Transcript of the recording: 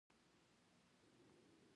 پیاله د شیدو لپاره هم کارېږي.